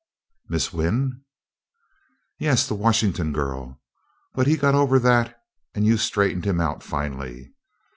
"Miss Wynn?" "Yes, the Washington girl. But he got over that and you straightened him out finally.